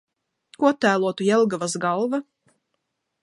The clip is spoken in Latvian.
Ko attēlotu Jelgavas galva?